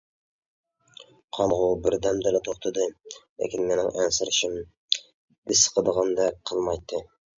قانغۇ بىردەمدىلا توختىدى، لېكىن مېنىڭ ئەنسىرىشىم بېسىقىدىغاندەك قىلمايتتى.